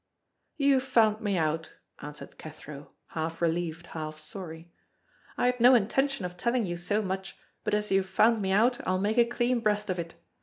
"You've found me out," answered Cathro, half relieved, half sorry. "I had no intention of telling you so much, but as you have found me out I'll make a clean breast of it.